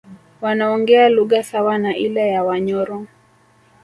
Wanaongea lugha sawa na ile ya Wanyoro